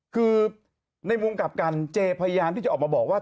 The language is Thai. คือในมุมกลับกันเจพยายามที่จะออกมาบอกว่า